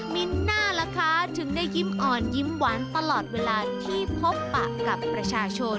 มินน่าล่ะคะถึงได้ยิ้มอ่อนยิ้มหวานตลอดเวลาที่พบปะกับประชาชน